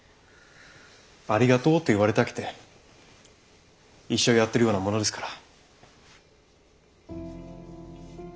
「ありがとう」と言われたくて医者をやっているようなものですから。